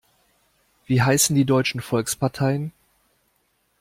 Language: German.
Wie heißen die deutschen Volksparteien?